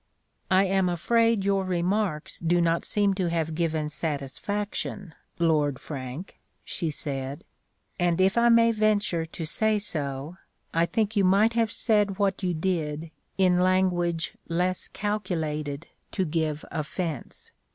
"I am afraid your remarks do not seem to have given satisfaction, Lord Frank," she said; "and if I may venture to say so, I think you might have said what you did in language less calculated to give offence.